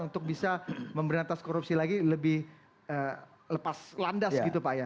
untuk bisa memberantas korupsi lagi lebih lepas landas gitu pak ya